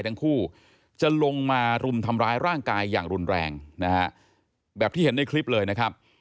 ทั้งคู่จะลงมารุมทำร้ายร่างกายอย่างรุนแรงนะฮะแบบที่เห็นในคลิปเลยนะครับ